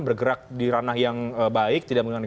bergerak di ranah yang baik tidak menggunakan